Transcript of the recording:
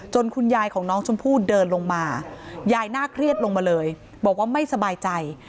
คุณยายของน้องชมพู่เดินลงมายายน่าเครียดลงมาเลยบอกว่าไม่สบายใจ